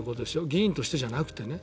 議員としてじゃなくてね。